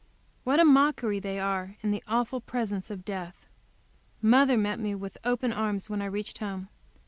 What a mockery they are in the awful presence of death! Mother met me with open arms when I reached home.